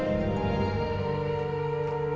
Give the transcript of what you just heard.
jangan lupa like share dan subscribe ya